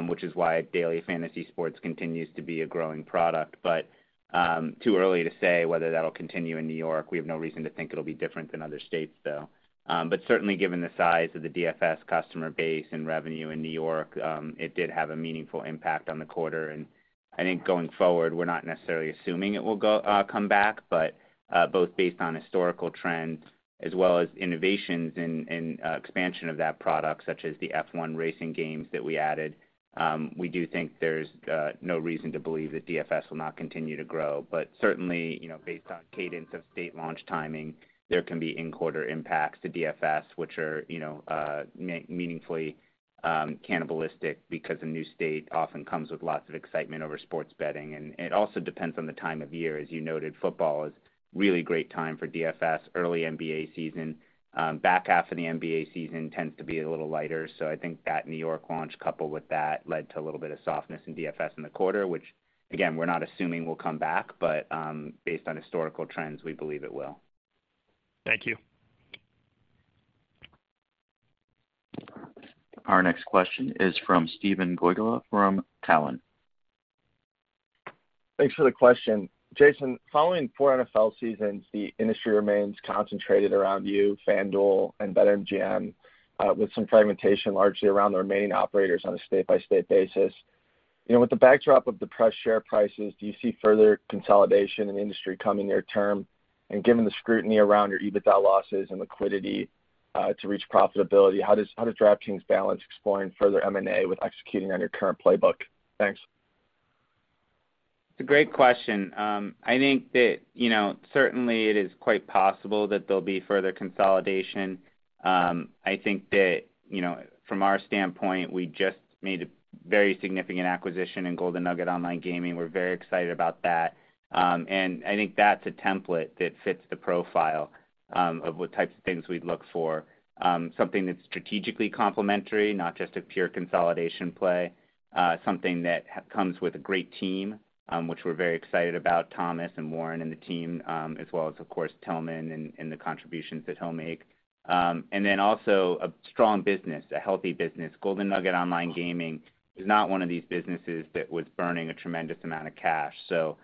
which is why daily fantasy sports continues to be a growing product. Too early to say whether that'll continue in New York. We have no reason to think it'll be different than other states, though. Certainly given the size of the DFS customer base and revenue in New York, it did have a meaningful impact on the quarter. I think going forward, we're not necessarily assuming it will come back, but both based on historical trends as well as innovations and expansion of that product, such as the F1 Racing games that we added, we do think there's no reason to believe that DFS will not continue to grow. Certainly, you know, based on cadence of state launch timing, there can be in-quarter impacts to DFS, which are, you know, meaningfully cannibalistic because a new state often comes with lots of excitement over sports betting. It also depends on the time of year. As you noted, football is really great time for DFS, early NBA season. Back half of the NBA season tends to be a little lighter. I think that New York launch coupled with that led to a little bit of softness in DFS in the quarter, which again, we're not assuming will come back, but, based on historical trends, we believe it will. Thank you. Our next question is from Steven Wieczynski from Stifel. Thanks for the question. Jason, following four NFL seasons, the industry remains concentrated around you, FanDuel, and BetMGM, with some fragmentation largely around the remaining operators on a state-by-state basis. You know, with the backdrop of depressed share prices, do you see further consolidation in the industry coming near term? Given the scrutiny around your EBITDA losses and liquidity, to reach profitability, how does DraftKings balance exploring further M&A with executing on your current playbook? Thanks. It's a great question. I think that, you know, certainly it is quite possible that there'll be further consolidation. I think that, you know, from our standpoint, we just made a very significant acquisition in Golden Nugget Online Gaming. We're very excited about that. I think that's a template that fits the profile, of what types of things we'd look for. Something that's strategically complementary, not just a pure consolidation play. Something that comes with a great team, which we're very excited about, Thomas and Warren and the team, as well as, of course, Tilman and the contributions that he'll make. A strong business, a healthy business. Golden Nugget Online Gaming is not one of these businesses that was burning a tremendous amount of cash, so,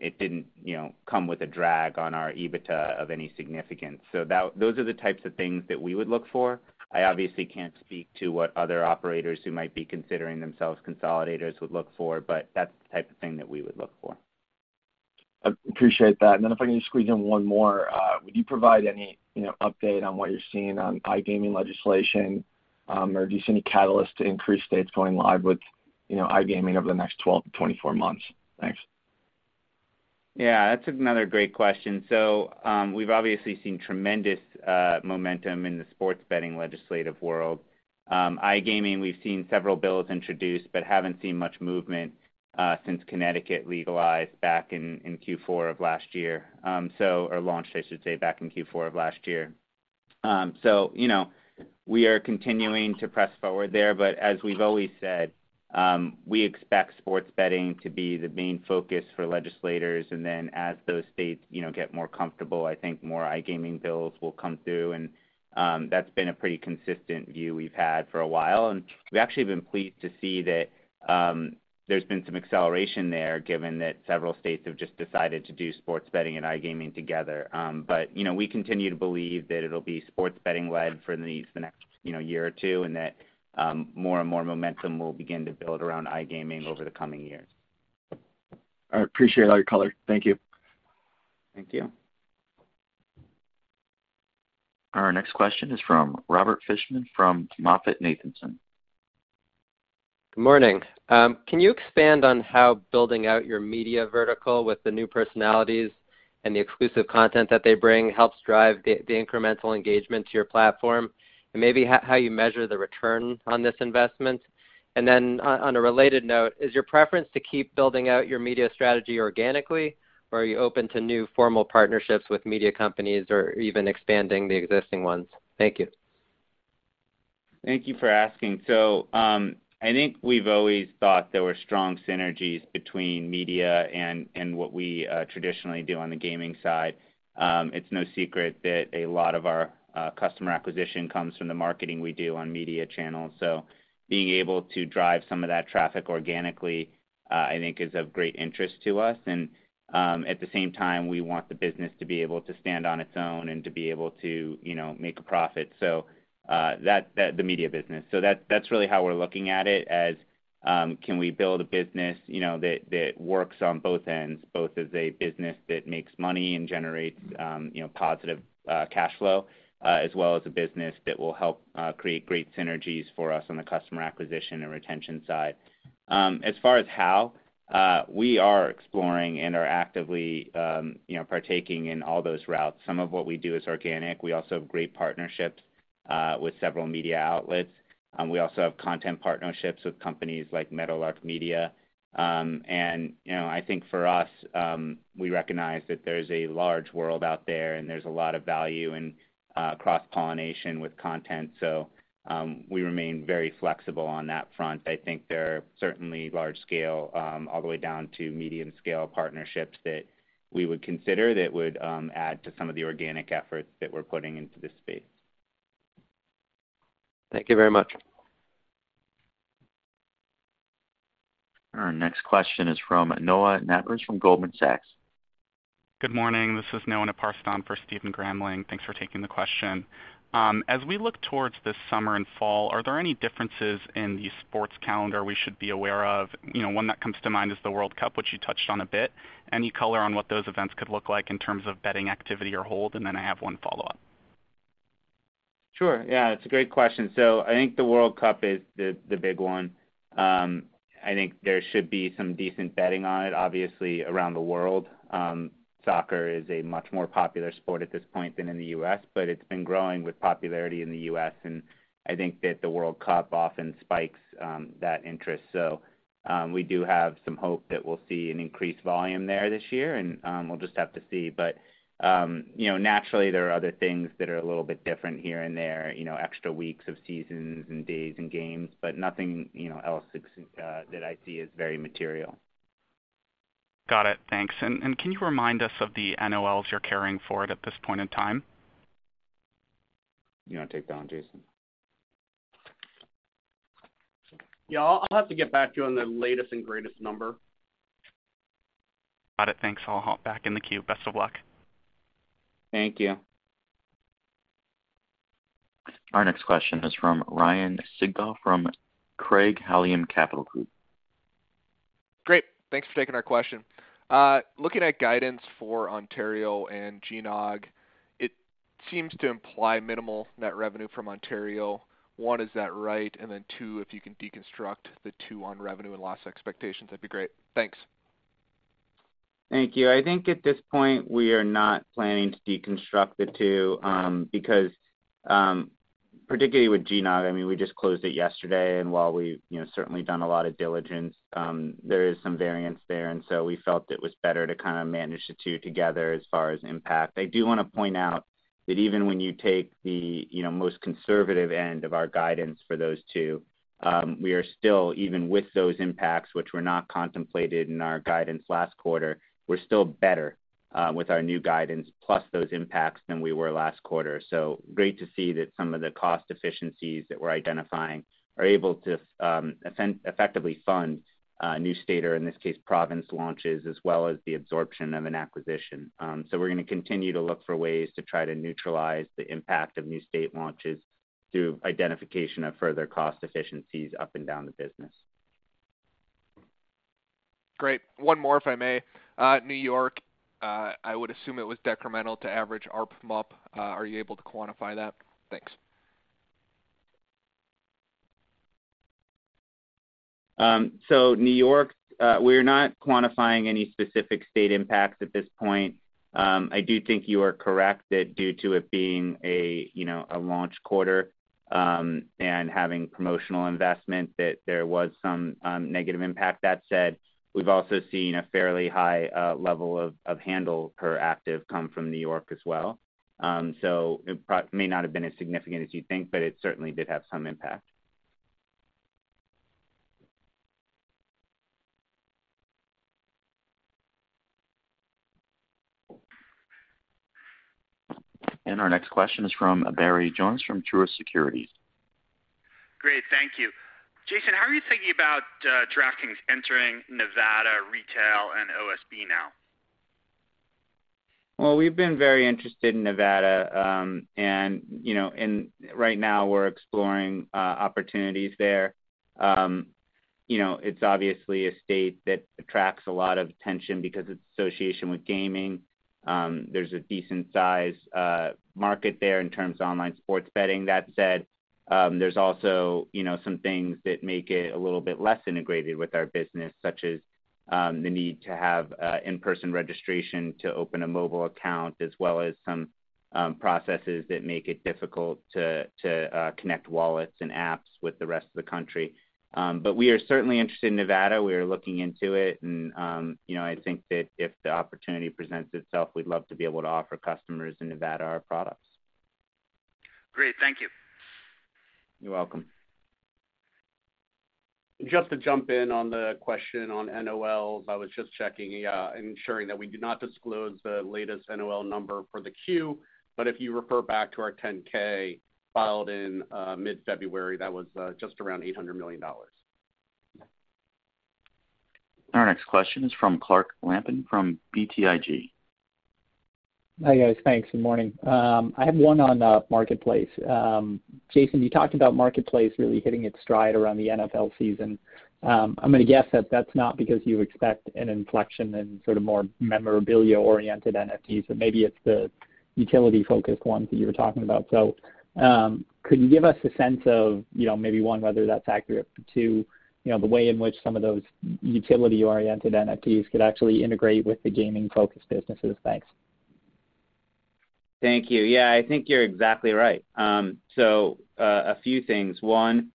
it didn't, you know, come with a drag on our EBITDA of any significance. Those are the types of things that we would look for. I obviously can't speak to what other operators who might be considering themselves consolidators would look for. That's the type of thing that we would look for. I appreciate that. If I can just squeeze in one more. Would you provide any, you know, update on what you're seeing on iGaming legislation? Or do you see any catalyst to increase states going live with, you know, iGaming over the next 12-24 months? Thanks. Yeah, that's another great question. We've obviously seen tremendous momentum in the sports betting legislative world. iGaming, we've seen several bills introduced, but haven't seen much movement since Connecticut legalized back in Q4 of last year, or launched, I should say, back in Q4 of last year. You know, we are continuing to press forward there. As we've always said, we expect sports betting to be the main focus for legislators, and then as those states, you know, get more comfortable, I think more iGaming bills will come through. That's been a pretty consistent view we've had for a while. We've actually been pleased to see that there's been some acceleration there given that several states have just decided to do sports betting and iGaming together. You know, we continue to believe that it'll be sports betting led for at least the next, you know, year or two, and that more and more momentum will begin to build around iGaming over the coming years. All right. Appreciate all your color. Thank you. Thank you. Our next question is from Robert Fishman from MoffettNathanson. Good morning. Can you expand on how building out your media vertical with the new personalities and the exclusive content that they bring helps drive the incremental engagement to your platform, and maybe how you measure the return on this investment? On a related note, is your preference to keep building out your media strategy organically, or are you open to new formal partnerships with media companies or even expanding the existing ones? Thank you. Thank you for asking. I think we've always thought there were strong synergies between media and what we traditionally do on the gaming side. It's no secret that a lot of our customer acquisition comes from the marketing we do on media channels. Being able to drive some of that traffic organically, I think is of great interest to us. At the same time, we want the business to be able to stand on its own and to be able to, you know, make a profit. That the media business. That's really how we're looking at it as can we build a business, you know, that works on both ends, both as a business that makes money and generates, you know, positive cash flow, as well as a business that will help create great synergies for us on the customer acquisition and retention side. As far as how we are exploring and are actively, you know, partaking in all those routes. Some of what we do is organic. We also have great partnerships with several media outlets. We also have content partnerships with companies like Meadowlark Media. You know, I think for us, we recognize that there's a large world out there, and there's a lot of value in cross-pollination with content. We remain very flexible on that front. I think there are certainly large scale, all the way down to medium scale partnerships that we would consider that would add to some of the organic efforts that we're putting into this space. Thank you very much. Our next question is from Noah Naparst from Goldman Sachs. Good morning. This is Noah Naparst for Stephen Grambling. Thanks for taking the question. As we look towards this summer and fall, are there any differences in the sports calendar we should be aware of? You know, one that comes to mind is the World Cup, which you touched on a bit. Any color on what those events could look like in terms of betting activity or hold? And then I have one follow-up. Sure. Yeah, it's a great question. I think the World Cup is the big one. I think there should be some decent betting on it. Obviously, around the world, soccer is a much more popular sport at this point than in the U.S., but it's been growing with popularity in the U.S., and I think that the World Cup often spikes that interest. We do have some hope that we'll see an increased volume there this year, and we'll just have to see. You know, naturally, there are other things that are a little bit different here and there, you know, extra weeks of seasons and days and games, but nothing, you know, else that I see as very material. Got it. Thanks. Can you remind us of the NOLs you're carrying forward at this point in time? You wanna take that one, Jason? Yeah, I'll have to get back to you on the latest and greatest number. Got it. Thanks. I'll hop back in the queue. Best of luck. Thank you. Our next question is from Ryan Sigdahl from Craig-Hallum Capital Group. Great. Thanks for taking our question. Looking at guidance for Ontario and GNOG, it seems to imply minimal net revenue from Ontario. One, is that right? Two, if you can deconstruct the two on revenue and loss expectations, that'd be great. Thanks. Thank you. I think at this point, we are not planning to deconstruct the two, because, particularly with GNOG, I mean, we just closed it yesterday, and while we've, you know, certainly done a lot of diligence, there is some variance there. We felt it was better to kinda manage the two together as far as impact. I do wanna point out that even when you take the, you know, most conservative end of our guidance for those two, we are still, even with those impacts, which were not contemplated in our guidance last quarter, we're still better with our new guidance plus those impacts than we were last quarter. Great to see that some of the cost efficiencies that we're identifying are able to effectively fund new state or in this case, province launches, as well as the absorption of an acquisition. We're gonna continue to look for ways to try to neutralize the impact of new state launches through identification of further cost efficiencies up and down the business. Great. One more, if I may. New York, I would assume it was decremental to average ARPMUP. Are you able to quantify that? Thanks. New York, we are not quantifying any specific state impacts at this point. I do think you are correct that due to it being a, you know, a launch quarter, and having promotional investment, that there was some negative impact. That said, we've also seen a fairly high level of handle per active come from New York as well. It may not have been as significant as you think, but it certainly did have some impact. Our next question is from Barry Jonas from Truist Securities. Great. Thank you. Jason, how are you thinking about DraftKings entering Nevada retail and OSB now? Well, we've been very interested in Nevada. You know, right now we're exploring opportunities there. You know, it's obviously a state that attracts a lot of attention because its association with gaming. There's a decent size market there in terms of online sports betting. That said, there's also, you know, some things that make it a little bit less integrated with our business, such as the need to have in-person registration to open a mobile account, as well as some processes that make it difficult to connect wallets and apps with the rest of the country. We are certainly interested in Nevada. We are looking into it and, you know, I think that if the opportunity presents itself, we'd love to be able to offer customers in Nevada our products. Great. Thank you. You're welcome. Just to jump in on the question on NOLs, I was just checking, yeah, ensuring that we do not disclose the latest NOL number for the Q. If you refer back to our 10-K filed in mid-February, that was just around $800 million. Our next question is from Clark Lampen from BTIG. Hi, guys. Thanks. Good morning. I have one on Marketplace. Jason, you talked about Marketplace really hitting its stride around the NFL season. I'm gonna guess that that's not because you expect an inflection in sort of more memorabilia-oriented NFTs, but maybe it's the utility-focused ones that you were talking about. Could you give us a sense of, you know, maybe, one, whether that's accurate, but two, you know, the way in which some of those utility-oriented NFTs could actually integrate with the gaming-focused businesses? Thanks. Thank you. Yeah. I think you're exactly right. So, a few things. One,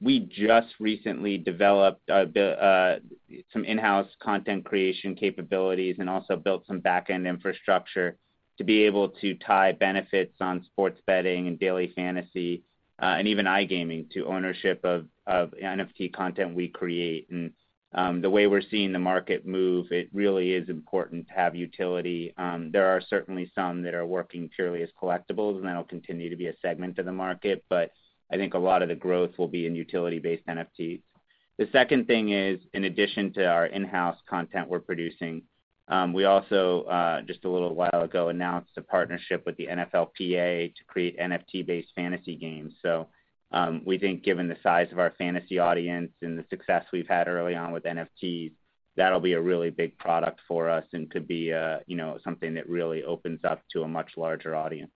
we just recently developed some in-house content creation capabilities and also built some back-end infrastructure to be able to tie benefits on sports betting and daily fantasy, and even iGaming to ownership of NFT content we create. The way we're seeing the market move, it really is important to have utility. There are certainly some that are working purely as collectibles, and that'll continue to be a segment of the market, but I think a lot of the growth will be in utility-based NFTs. The second thing is, in addition to our in-house content we're producing, we also just a little while ago announced a partnership with the NFLPA to create NFT-based fantasy games. We think given the size of our fantasy audience and the success we've had early on with NFTs, that'll be a really big product for us and could be, you know, something that really opens up to a much larger audience.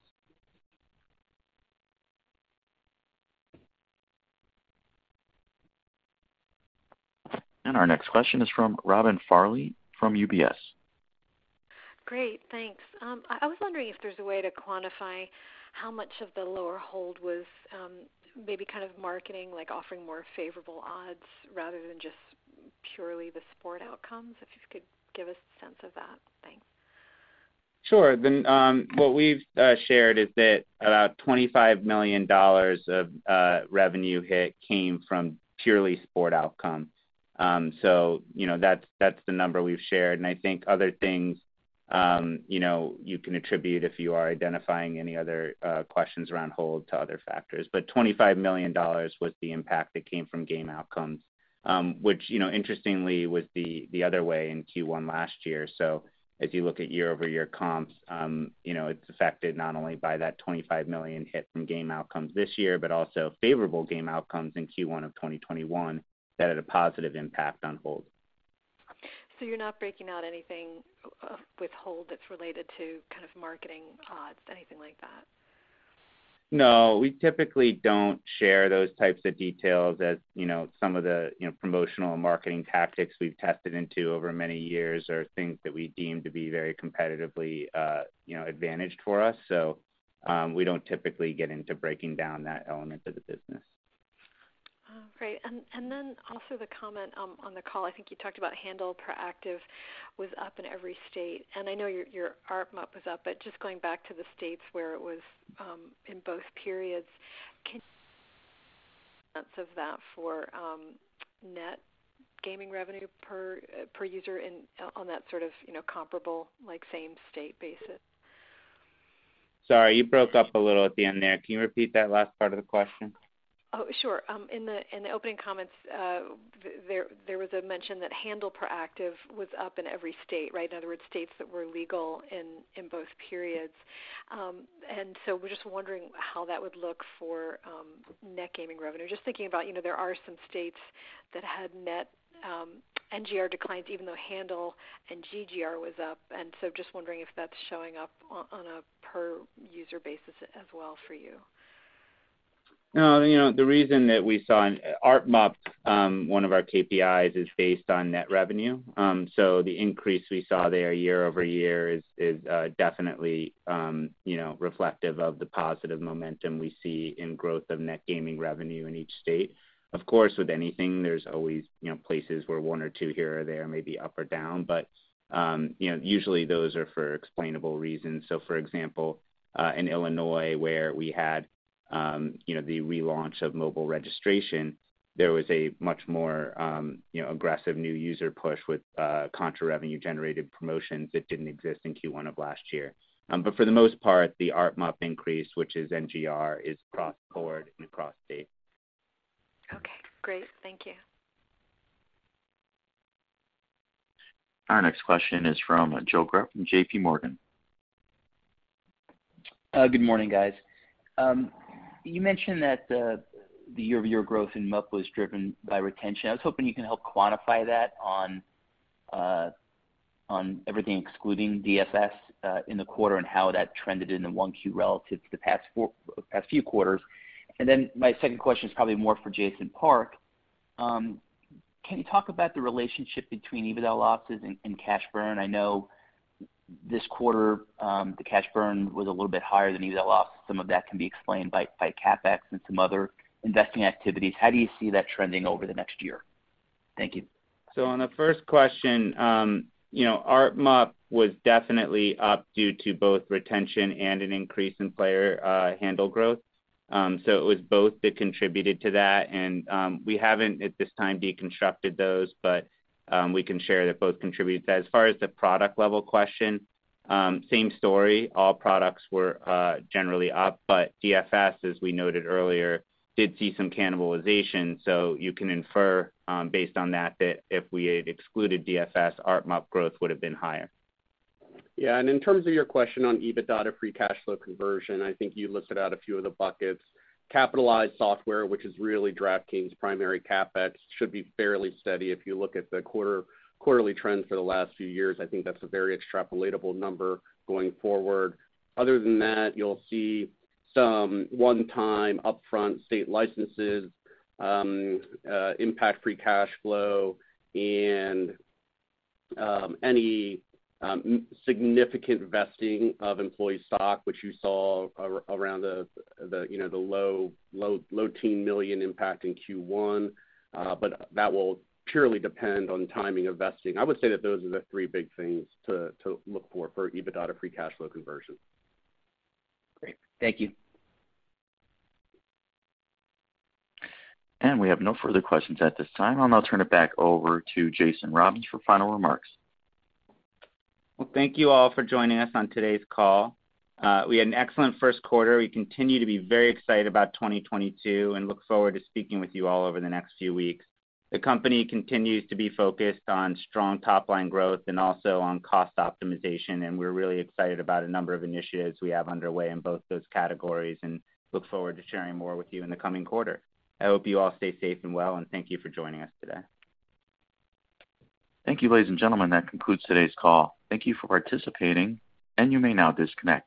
Our next question is from Robin Farley from UBS. Great, thanks. I was wondering if there's a way to quantify how much of the lower hold was, maybe kind of marketing, like offering more favorable odds rather than just purely the sport outcomes, if you could give us a sense of that. Thanks. Sure. What we've shared is that about $25 million of revenue hit came from purely sports outcomes. You know, that's the number we've shared. I think other things, you know, you can attribute if you are identifying any other questions around hold to other factors. $25 million was the impact that came from game outcomes, which, you know, interestingly was the other way in Q1 last year. As you look at year-over-year comps, you know, it's affected not only by that $25 million hit from game outcomes this year, but also favorable game outcomes in Q1 of 2021 that had a positive impact on hold. You're not breaking out anything with hold that's related to kind of marketing odds, anything like that? No, we typically don't share those types of details as, you know, some of the, you know, promotional and marketing tactics we've tested into over many years are things that we deem to be very competitively, you know, advantaged for us. We don't typically get into breaking down that element of the business. Oh, great. Also the comment on the call, I think you talked about handle per active was up in every state, and I know your ARPMUP was up, but just going back to the states where it was in both periods, net gaming revenue per user on that sort of, you know, comparable like same state basis. Sorry, you broke up a little at the end there. Can you repeat that last part of the question? Oh, sure. In the opening comments, there was a mention that handle per capita was up in every state, right? In other words, states that were legal in both periods. We're just wondering how that would look for net gaming revenue. Just thinking about, you know, there are some states that had net NGR declines even though handle and GGR was up. Just wondering if that's showing up on a per user basis as well for you. No, you know, the reason that we saw ARPMUP, one of our KPIs is based on net revenue. The increase we saw there year-over-year is definitely, you know, reflective of the positive momentum we see in growth of net gaming revenue in each state. Of course, with anything, there's always, you know, places where one or two here or there may be up or down, but, you know, usually those are for explainable reasons. For example, in Illinois, where we had, you know, the relaunch of mobile registration, there was a much more, you know, aggressive new user push with, contra-revenue-generating promotions that didn't exist in Q1 of last year. But for the most part, the ARPMUP increase, which is NGR, is consistent across states. Okay, great. Thank you. Our next question is from Joe Greff from J.P. Morgan. Good morning, guys. You mentioned that the year-over-year growth in MUP was driven by retention. I was hoping you can help quantify that on everything excluding DFS in the quarter and how that trended in the 1Q relative to the past few quarters. Then my second question is probably more for Jason Park. Can you talk about the relationship between EBITDA losses and cash burn? I know this quarter the cash burn was a little bit higher than EBITDA loss. Some of that can be explained by CapEx and some other investing activities. How do you see that trending over the next year? Thank you. On the first question, you know, ARPMUP was definitely up due to both retention and an increase in player handle growth. It was both that contributed to that. We haven't at this time deconstructed those, but we can share that both contribute. As far as the product level question, same story. All products were generally up, but DFS, as we noted earlier, did see some cannibalization. You can infer, based on that if we had excluded DFS, ARPMUP growth would have been higher. Yeah, in terms of your question on EBITDA free cash flow conversion, I think you listed out a few of the buckets. Capitalized software, which is really DraftKings's primary CapEx, should be fairly steady. If you look at quarterly trends for the last few years, I think that's a very extrapolatable number going forward. Other than that, you'll see some one-time upfront state licenses impact free cash flow and any significant vesting of employee stock, which you saw around, you know, the low-teen million impact in Q1, but that will purely depend on timing of vesting. I would say that those are the three big things to look for EBITDA free cash flow conversion. Great. Thank you. We have no further questions at this time. I'll now turn it back over to Jason Robins for final remarks. Well, thank you all for joining us on today's call. We had an excellent first quarter. We continue to be very excited about 2022 and look forward to speaking with you all over the next few weeks. The company continues to be focused on strong top-line growth and also on cost optimization, and we're really excited about a number of initiatives we have underway in both those categories and look forward to sharing more with you in the coming quarter. I hope you all stay safe and well, and thank you for joining us today. Thank you, ladies and gentlemen. That concludes today's call. Thank you for participating, and you may now disconnect.